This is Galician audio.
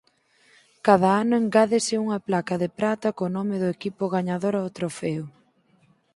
Cada ano engádese unha placa de prata co nome do equipo gañador ao trofeo.